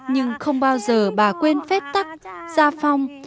nhưng không bao giờ bà quên phép tắt ra phong